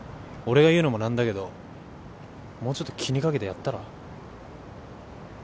俺が言うのもなんだけどもうちょっと気にかけてやったら？